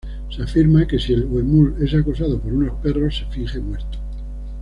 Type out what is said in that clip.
Se afirma que si el huemul es acosado por unos perros, se finge muerto.